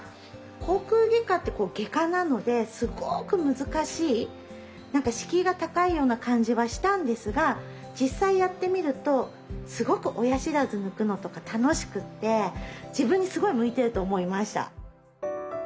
口腔外科って外科なのですごく難しい何か敷居が高いような感じはしたんですが実際やってみるとすごく親知らず抜くのとか楽しくって自分にすごい向いてると思いました。